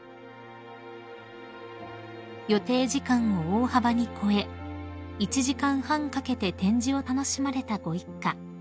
［予定時間を大幅に超え１時間半かけて展示を楽しまれたご一家］